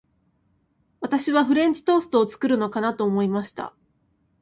私はフレンチトーストを作るのかなと思いました。